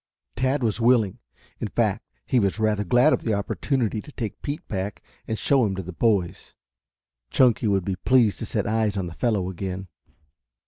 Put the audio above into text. Tad was willing, in fact he was rather glad of the opportunity to take Pete back and show him to the boys. Chunky would be pleased to set eyes on the fellow again.